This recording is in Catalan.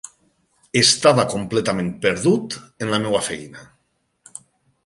Estava completament perdut en la meva feina.